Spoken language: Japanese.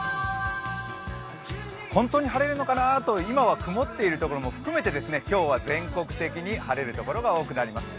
本当に晴れるかなと今は曇っているところも含めて今日は全国的に晴れるところが多くなります。